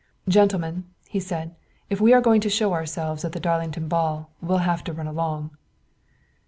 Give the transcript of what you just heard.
"Gentlemen," he said, "if we are going to show ourselves at the Darlington ball we'll have to run along."